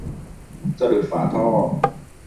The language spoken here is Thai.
สะดุดฝาท่อ